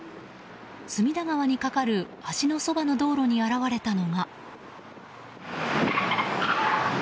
隅田川に架かる橋のそばの道路に現れたのが。